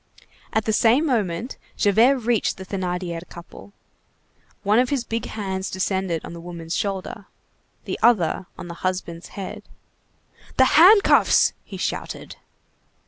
At the same moment, Javert reached the Thénardier couple. One of his big hands descended on the woman's shoulder; the other on the husband's head. "The handcuffs!" he shouted.